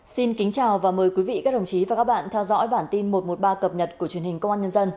xin kính chào và mời quý vị các đồng chí và các bạn theo dõi bản tin một trăm một mươi ba cập nhật của truyền hình công an nhân dân